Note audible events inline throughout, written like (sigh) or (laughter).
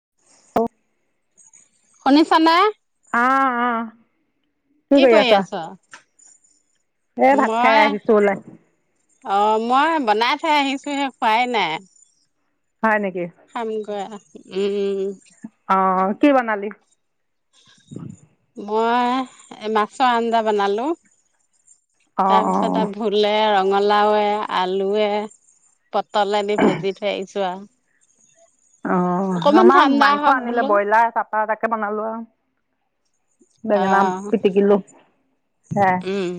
(inaudible) শুনিছা নে? অ'-অ'। কি কৰি আছা? এ' ভাত খাই মই আহিছো ওলায়। অ' মই বনাই থৈ আহিছো হে খোৱাই নাই হয় নেকি? খাম গৈ অহা। উম অ', কি বনালি? মই মাছৰ আঞ্জা বনালোঁ অ', তাৰপিছত অ', আৰু ভোলে ৰ ৰঙালাৱে আলুৱে পটলেদি ভাজি থৈ আহিছোঁ আৰু। অ' অকমান আমাৰ ঠাণ্ডা মাংস হওক আনিলে বোলো ব্ৰইলাৰ। চাপা এটাকে বনালোঁ আৰু। অ বেঙেনা পিটিকিলোঁ। উম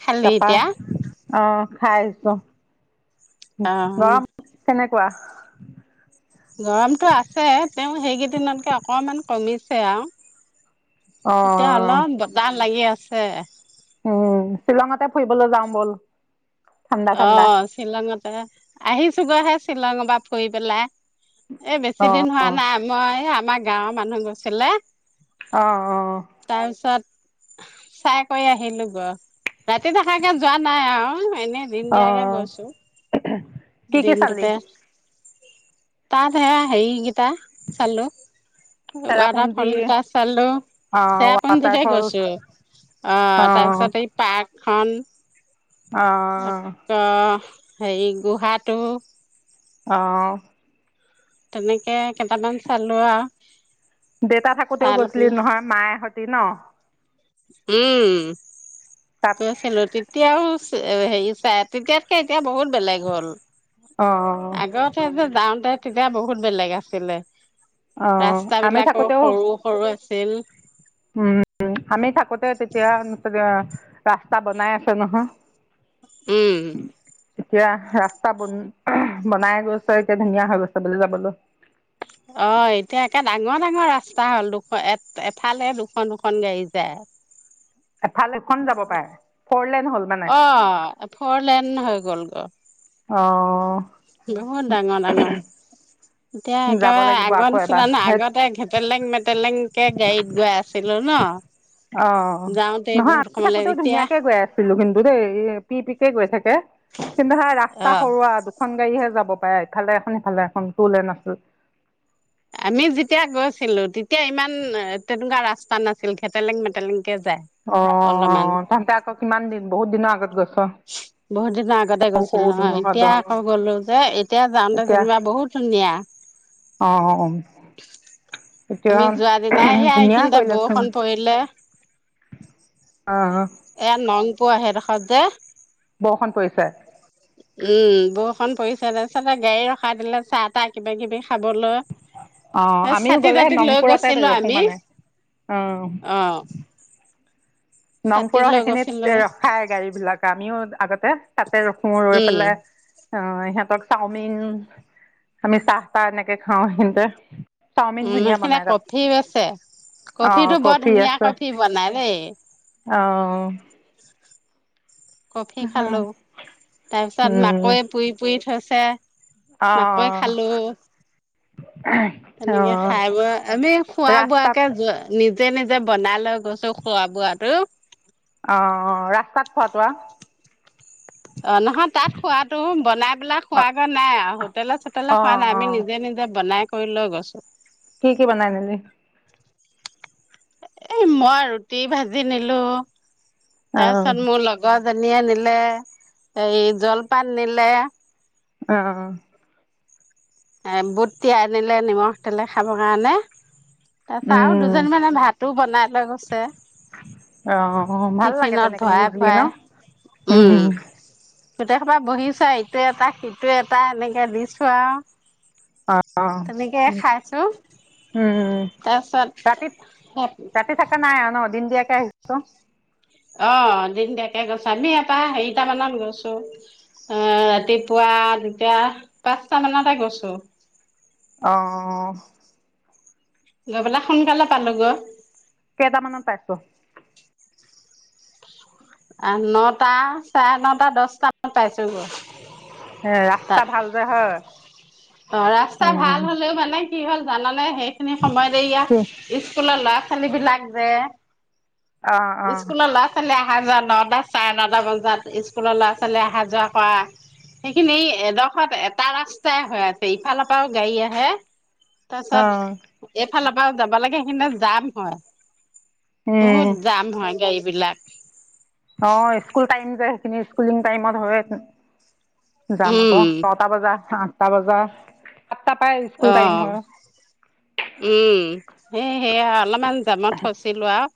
খালি তাৰপা এতিয়া অ' খাই আছোঁ‌ অহ কেনেকুৱা? গৰমটো আছে তেওঁ সেইকেইদিনতকে অকমান কমিছে আৰু এতিয়া অ', অলপ বতাহ লাগি আছে। সেয়ে উম শ্বিলঙতে ফুৰিবলৈ যাওঁ ব'ল। ঠাণ্ডা ঠাণ্ডা। অ' শ্বিলঙতে আহিছো গৈ আহা শ্বিলঙৰ পৰা ফুৰি পেলাই এ বেছি দিন অ', হোৱা অ', নাই মই আমাৰ গাঁওৰ মানুহ গৈছিলে অ' অ' তাৰপিছত চাই কৰি আহিলো গৈ। ৰাতি থকাকে যোৱা নাই আৰু এনে দিন অ', (unintelligible) অ', গৈছো। কি কি চালি? দিনটোতে তা সেয়া হেৰি চালো ৱাটাৰ ফল চেৰাপুঞ্জী, কেইটা চালোঁ‌ অ', ৱাটাৰ চেৰাপুঞ্জীতে ফলচ গৈছো। অ' তাৰ পিছত এই পাৰ্ক খান আ অ', হেৰি গুহাটো অ' তেনেকে কেইটামান চালো আৰু। দেউতা থাকোতেও চাই লৈ গৈছিলি পেলাই নহয় মায়ে তি ন উম তাত গৈছিলো তেতিয়াও হেৰি চাই তেতিয়াতকে এতিয়া বহুত বেলেগ হ'ল। অ', আগতে যাওঁতে তেতিয়া বহুত বেলেগ আছিলে অ, ৰাস্তা আমি বিলাকো থাকোতেও, সৰু সৰু আছিল উম, আমি থাকোতে তেতিয়া ৰাস্তা বনাই আছে নহয় উম এতিয়া ৰাস্তা বন বনাই গৈছে এতিয়া ধুনীয়া হৈ গৈছে বোলে যাবলৈ অ' এতিয়া একে ডাঙৰ ডাঙৰ ৰাস্তা হ'ল। দুখন এ এফালে দুখন দুখন গাড়ী যায়। এফালেখন যাব পাৰে ফৰলেন অ' ফৰলেন হৈ গ'ল অ', গৈ বহুত ডাঙৰ ডাঙৰ। এতিয়া যাব একেবাৰে লাগিব আগৰ আকৌ এবাৰ নিচিনা নাই সেই আগতে ঘেটলেং মেটলেংকে গাড়ীত গৈ আছিলো ন? অ' যাওঁতে নহয় বহুত আমি সময়লে থাকোঁ‌তেও এতিয়া ধুনীয়াকৈ গৈ আছিলো কিন্তু দেই পি পিকে গৈ থাকে কিন্তু ৰাস্তা অ সৰু আৰু এখন গাড়ীহে যাব পাৰে ইফালে এখন সিফালে এখন। টু লেণ্ড ৰাষ্টা। আমি যেতিয়া গৈছিলোঁ তেতিয়া ইমান তেনেকুৱা ৰাস্তা নাছিল। খেতেলেং-মেতেলেং। কে যায় অ অ অলপমান। তহঁতে আকৌ কিমান দিন বহুত দিনৰ আগত গৈছ বহুত দিনৰ আগতে সৰু গৈছিল সৰু নহয় ধুনুহঁত এতিয়া আকৌ অ'। গলো যে এতিয়া যাওঁতে এতিয়া যেনিবা বহুত ধুনীয়া। (inaudible) আমি যোৱা দিনাই এয়া ধুনীয়া এখিনিতে কৰিলেচোন বৰষুণ পৰিলে। অ এয়া নংপুৰৰ সেইডোখৰত যে উম, বৰষুণ পৰিছে বৰষুণ পৰি (unintelligible) গাড়ী ৰখাই দিলে চাহ-তাহ কিবা-কিবি খাবলৈ। অ আমিও ছাতি গ'লে তাতি সেই লৈ নংপুৰতে গৈছিলো ৰখো আমি মানে। অ। অ ছাতি নংপুৰৰ লৈ গৈছিলো সেইখিনিত ৰখাই গাড়ী বিলাক আমিও আগতে তাতে ৰখো, ৰৈ উম পেলাই, অ ইহঁতক চাওমিন, আমি চাহ তাহ এনেকে খাওঁ সেইখিনিতে। উম সেইখিনিত কফি আছে অ কফিটো বৰ কফি ধুনীয়া আছে কফি বনাই দেই। (unintelligible) অ' কফি খালো। তাৰ পিছত উম মাকৈ পুৰি-পুৰি থৈছে। অ পে মাকৈ খালো। অ তেনেকে খাই বৈ আমি ৰাস্তাত খোৱা-বোৱাকে নিজে নিজে নিজে বনায় লৈ গৈছোঁ খোৱা-বোৱাটো। অহ, ৰাস্তাত খোৱা-তোৱা! অ নহয়। তাত খোৱাটো বনায় পেলায় অ খোৱাগৈ নাই আৰু হোটেলে-চোটেলে অ অ খোৱা নাই। আমি নিজে নিজে বনাই (unintelligible) গছত। কি কি বনাই নিলি? এ মই ৰুটি-ভাজি নিলো। অ তাৰ পিছত মোৰ লগৰ ধনীয়া নিলে এই জলপান নিলে অহ। এ বুট তিয়াই নিলে নিমখ তেলে খাবৰ কাৰণে তাৰ পৰা আৰু উম দুজনী মানে ভাতো বনাই লৈ গৈছে অ ভাল লাগে টিফিনত তেনেকে ভৰাই মিলি-জুলি ন? ভৰাই উ। গোটেইহোপা বহিছো আৰু ইটোৱে এটা সিটোৱে এটা এনেকে দিছো আৰু অ অ। তেনেকে খাইছো উম, তাৰপিছত ৰাতি ৰাতি থাকা নাই আৰু ন দিন দিয়াকে আহিছো অ দিনদিয়াকে গৈছো, আমি ইয়াৰ পৰা হেৰিটা মানত গৈছো, আহ ৰাতিপুৱা দুটা পাঁচটা মানতে গৈছো। অ ', গৈ পেলাই সোনকালে পালো গৈ। কেইটামানত পাইছো। নটা, চাৰে নটা, দচটা মানত পাইছো গৈ। ৰাস্তা তাত ভাল যে হয় অ', ৰাস্তা উম ভাল হলেও মানে কি হ'ল জাননে? সেইখিনি সময়তে ইয়াত স্কুলৰ ল'ৰা ছোৱালী বিলাক যে অ অ স্কুলৰ লৰা ছোৱালী বিলাক যে অহা যোৱা নটা, চাৰে নটা বজাত স্কুলৰ ল'ৰা ছোৱালী অহা যোৱা কৰা সেইখিনি এডোখৰত এটা ৰাস্তাই হৈ আছে ইফালৰ পৰাও গাড়ী আহে অ তাৰপিছত এক ইফালৰ পৰা যাবা লাগে সেইখিনতে যাম হয়। উম বহুত যাম হয় গাড়ীবলাক। আ (inaudible) অ স্কুল টাইম যে সেইখিনি স্কুলিং টাইমত হয়চোন যাম আকৌ উম নটা বজা। আঠটা বজাত। অ', উম, হে হেইয়া অলপ ইমান যামত ফচিলো আওঁ।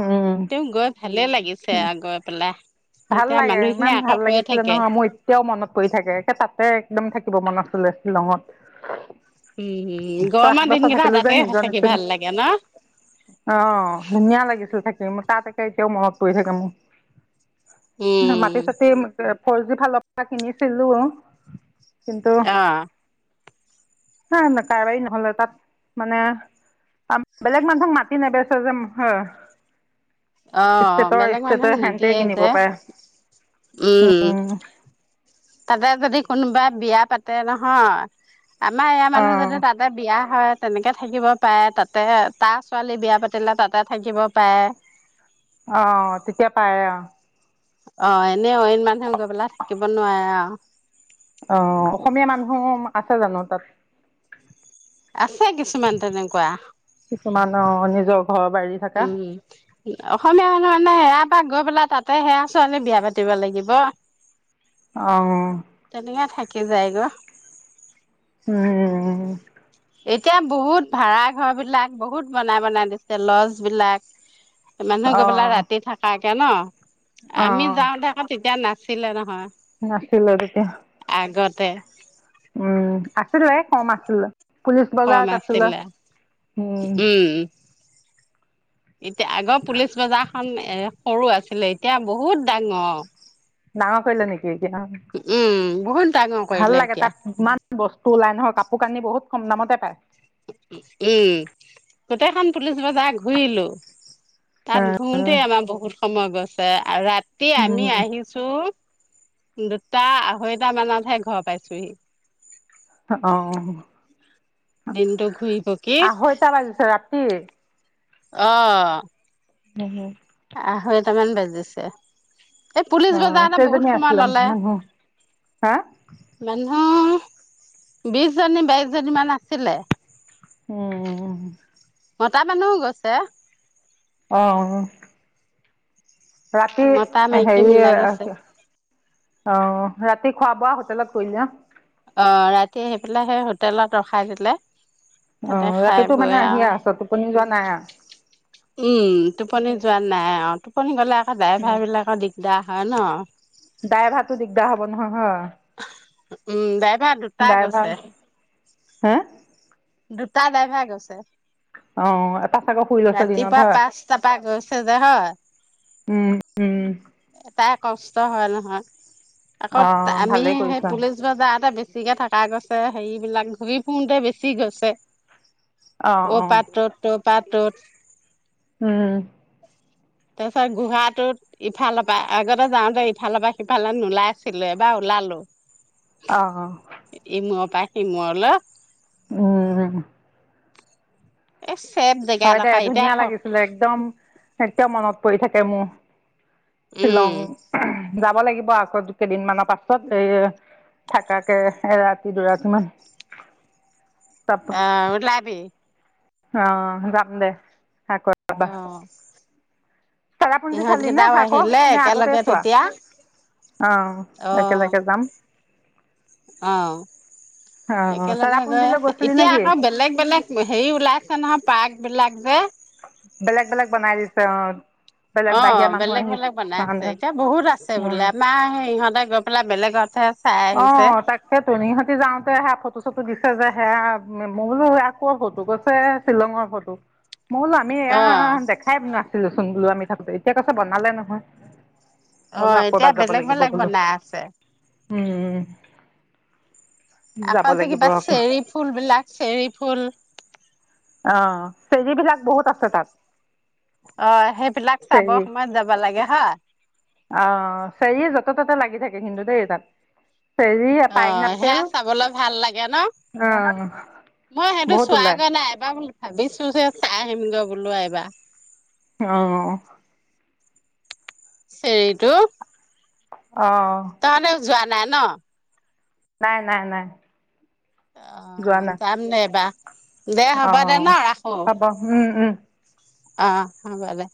উম লাগিছে উ আৰু গৈ পেলাই ভাল তেতিয়া লাগে মানুহখিনি ইমান আকৌ ভাল কৈ লাগিছিলে থাকে নহয় মোৰ এতিয়াও মনত পৰি থাকেে তাতে একদম থাকিব মন আছিলে শ্বিলঙত। উম পাঁচ গৰমৰ বছৰ দিনকেইটা থাকিলো যে তাতে নিজৰ থাকি নিচিনা। ভাল লাগে ন অ 'ধুনীয়া লাগিছে। মোৰ তাতে এতিয়াও মনত পৰি থাকে মোৰ। না উম মাটি চাতি ফৰ জি ফালৰ পৰা কিনিছিলো। কিন্তু অ হ কাৰবাৰী নহলে তাত মানে আ বেলেগ মানুহক‌ মাতি নেবেচে যে হ অ' বেলেগ মানুহক সেহেঁতে নিদিয়ে কিনিব যে পাৰে উম, তাতে যদি কোনোবাই বিয়া পাতে নহয় আমাৰ ইয়াৰ মানুহ অ' যদি তাতে বিয়া হয় তেনেকে থাকিব পাৰে তাতেহে তাৰ ছোৱালী বিয়া পাতিলে তাতে থাকিব পাৰে। অ', তেতিয়া পাৰে অ '। অ এনেই অইন মানুহে গৈ পেলাই থাকিব নোৱাৰে আৰু। অহ, অসমীয়া মানুহ আছে জানো তাত আছে কিছুমান তেনেকুৱা কিছুমান অ' নিজৰ ঘৰ বাৰী থকা উম অসমীয়া মানুহ মানে তাক গৈ পেলাই তাতে সেয়া ছোৱালী বিয়া পাতিব লাগিব অহ ক যায়গ উম এতিয়া বহুত ভাড়া ঘৰ বিলাক বহুত বনাই বনাই দিছে লজ বিলাক মানুহ গৈ পেলা অ' ৰাতি থাকা কে ন আমি অ' যাওঁ আকৌ তেতিয়া না আছিলে নহয় নাছিলে তেতিয়া আগতে উম আছিলে কম আছিলো পুলিচ বজাৰত আছিলে উম এতিয়া আগৰ পুলিচ বজাৰখন এ সৰু আছিলে এতিয়া বহুত ডাঙৰ ডাঙৰ কৰিলে নেকি এতিয়া ব ভাল লাগে তাত ইমান বস্তু ওলাই নহয় কাপোৰ শুকানি বহুত কম দামতে পায় উম গোটেইখন পুলিচ বজাৰ ঘূৰিলো তাত ঘুৰোতেই আমাৰ বহুত সময় গ'ল। আগাত তিয়া আমি আহিছো দুটা আঢ়ৈটা মানতহে ঘৰ পাইছোহি অ' দিনটো ঘূৰি পকি আঢ়ৈটা বাজিছে ৰাতি আহ উম হু আঢ়ৈটামান বাজিছে এই পুলিচ অঁ বজাৰতে কেইজনী বহুত সময় আছিলে ল'লে মানুহ হা মানুহৰ বিশ জনী বাইশ জনী মান আছিলে উম মতা মানুহও গৈছে অহ ৰাতি মতা মাইকী হেৰি মিলাই গৈছে অ' ৰাতি খোৱা-বোৱা হোটেলত কৰিলি ন? অ' ৰাতি আহি পেলাই সেই হোটেলত ৰখাই দিলে। তাতে অঁ খাই ৰাতিটো মানে বৈ আহি আও, আছ টোপনি যোৱা নাই আৰু উম টোপনি যোৱা নাই আৰু টোপনি গ'লে আকৌ ড্ৰাইভাৰ বিলাকৰ দিগদা হয় ন দাইভাতো দিগদাৰ হব নহয় হয়। (inaudible) উম দাই ডাইভাৰ হে দুটা ডাইভাৰ গৈছে। অ এটা চাগৈ শুই লৈছে দিনত ৰাতিপুৱা হয় পাঁচটা পা গৈছে যে হয় উম উম এটাৰে কষ্ট হয় নহয়। অ আকৌ আমি ভালেই সেই কৰিছা পুলিচ বজাৰতে ডি বেছিকে থকা গৈছে হেৰিবিলাক ঘূৰি ফুুৰতে বেছি গৈছে। অ ও অ পাত্ৰত তাত উঠ। উম তাৰ পিছত গুহাটোত ইফালৰ পৰা আগতে যাওঁতে ইফালৰ পৰা সিফালে নোলাইছিলো এবাৰ ওলালো অহ! কা কি মৰিল অ উম ইছ। হয় দে, ধুনীয়া লাগিছিলে। একদম একদম মনত পৰি থাকে মোৰ। উম শ্বিলং যাব লাগিব আকৌ কেইদিনমানৰ পাছত এ থাকাকে এৰাতি দুৰাতি মান। তাৰ অ, উলাবি। অ' যাম দে আকৌ এবা। অ চেৰাপুঞ্জি ইহঁত চালি নে কেইটাও আকৌ আহিলে নে আগতে একেলগে চোৱা। তেতিয়া অ, অ একেলগে যাম। অ' অ একেলগে গৈ চেৰাপুঞ্জীলৈ গৈছিলি এতিয়া নেকি আকৌ বেলেগ বেলেগ হেৰি ওলাইছে নহয় পাৰ্ক বিলাক যে বেলেগ বেলেগ বনাই দিছে অ বেলেগ অ, বাহিৰা মানুহ বেলেগ আহিছে বেলেগ বনাই আছে। কাৰণে এতিয়া বহুত আছে উম। বোলে আমাৰ সেই সিহঁতে গৈ পেলাই বেলেগতহে চাই অ আহিছে তাকেতো। ইহঁতি যাওঁতে হে ফটো ফটো দিছে যে, সেয়া মই বোলো এইয়া ক'ৰ ফটো? কৈছে শ্বিলঙৰ ফটো। মোলো আমি এ অ দেখাই ন চোন বলো আমি থাকো এতিয়া কৈছে বনালে নহয় মই বোলো অ' আকৌ এতিয়া এবাৰ যাব বেলেগ লাগিব বেলেগ বোলো বনাই আছে উম যাব আকৌ যে লাগিব কিবা আকৌ চেৰি ফুল বিলাক চেৰি ফুল অ' চেজ বিলাক বহুত আছে তাত অ' সেইবিলাক চাব চেৰি সময়ত যাব লাগে হ অ' চেৰিয়ে য'তে-ত'তে লাগি থাকে কিন্তু দেই তাত। চেৰি পাইন অ' সেয়া আপেল চাবলৈ ভাল লাগে ন অ', মই সেইটো বহুত ওলাই চোৱাগৈ নাই এবাৰ ভাবিছো চাই আহিমগৈ বোলো এইবা অ'। চেৰিটো (inaudible) অ' তহঁতে যোৱা নাই ন'? নাই নাই নাই যোৱা অ' নাই যাম দে এবাৰ অ' হব। উম-উম। অ' হ'ব দে